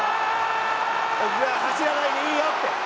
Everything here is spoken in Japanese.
「奥川走らないでいいよって」